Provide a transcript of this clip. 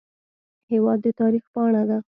هېواد د تاریخ پاڼه ده.